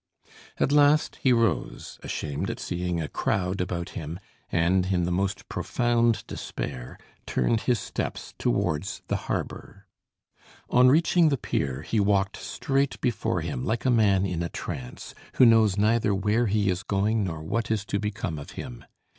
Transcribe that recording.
At last he rose, ashamed at seeing a crowd about him, and, in the most profound despair, turned his steps towards the harbor. On reaching the pier, he walked straight before him like a man in a trance, who knows neither where he is going nor what is to become of him.